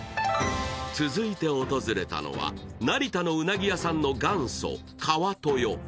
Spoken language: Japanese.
続いて訪れたのは、成田のうなぎ屋さんの元祖川豊。